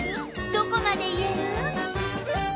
どこまで言える？